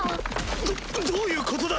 どどういうことだ！